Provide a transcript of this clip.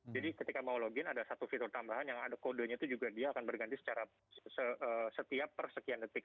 jadi ketika mau login ada satu fitur tambahan yang ada kodenya itu juga dia akan berganti secara setiap persekian detik